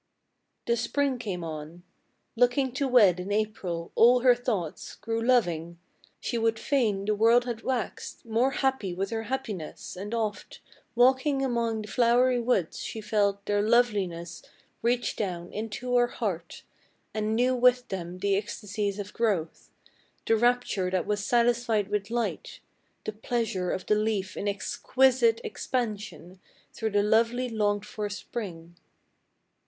The spring came on : Looking to wed in April all her thoughts Grew loving : she would fain the world had waxed More happy with her happiness, and oft Walking among the flowery woods she felt Their loveliness reach down into her heart, And knew with them the ecstasies of growth, The rapture that was satisfied with light, The pleasure of the leaf in exquisite Expansion, through the lovely longed for spring.